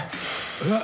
えっ？